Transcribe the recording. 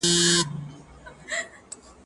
زه به سبزیجات وچولي وي،